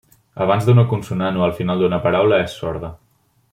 Abans d'una consonant o al final d'una paraula és sorda.